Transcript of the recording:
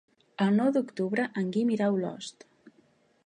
El nou d'octubre en Guim irà a Olost.